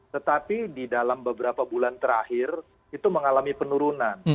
tetapi di dalam beberapa bulan terakhir itu mengalami penurunan